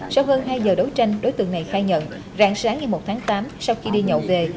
sau hơn hai giờ đấu tranh đối tượng này khai nhận rạng sáng ngày một tháng tám sau khi đi nhậu về